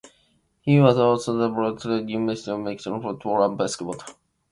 He was also the broadcaster for University of New Mexico football and basketball.